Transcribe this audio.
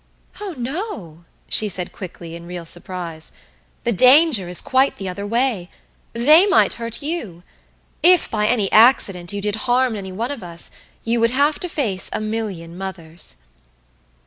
"Oh no," she said quickly, in real surprise. "The danger is quite the other way. They might hurt you. If, by any accident, you did harm any one of us, you would have to face a million mothers."